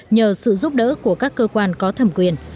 nhờ sự giúp đỡ của các cơ quan có thẩm quyền